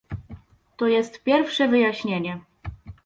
To jest pierwsze wyjaśnienie